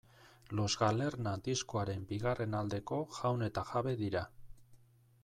Los Galerna diskoaren bigarren aldeko jaun eta jabe dira.